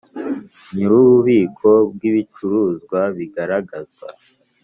Nyir ububiko bw ibicuruzwa bigaragazwa